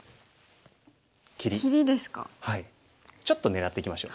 ちょっと狙っていきましょう。